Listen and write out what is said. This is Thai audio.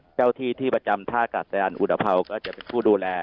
เจ้าที่ที่ประจำท่ากาศยานอุตภัวก็จะเป็นผู้ดูแล